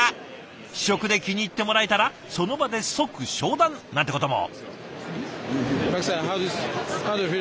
試食で気に入ってもらえたらその場で即商談なんてことも。